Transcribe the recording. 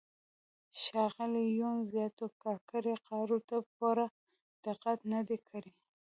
ښاغلي یون زیاتو کاکړۍ غاړو ته پوره دقت نه دی کړی.